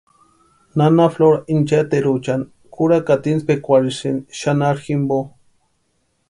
Nana Flora incheteruchani kʼúrakata intspikwarhisïnti xanharhu jimpo.